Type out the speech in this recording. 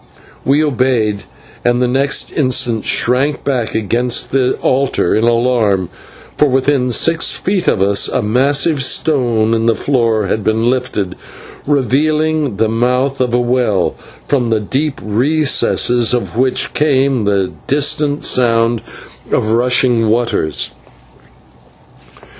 We obeyed, and the next instant shrank back against the altar in alarm, for within six feet of us a massive stone in the floor had been lifted, revealing the mouth of a well, from the deep recesses of which came the distant sound of rushing waters.